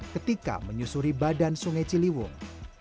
ketika menyusuri badan sungai ciliwung